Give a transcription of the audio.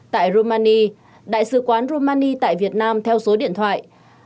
tại romania đại sứ quán romania tại việt nam theo số điện thoại